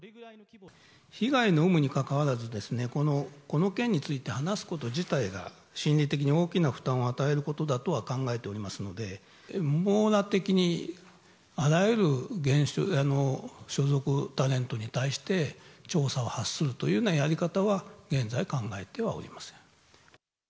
被害の有無にかかわらず、この件について話すこと自体が、心理的に大きな負担を与えることだとは考えておりますので、網羅的にあらゆる所属タレントに対して、調査を発するというようなやり方は、現在、考えてはおりません。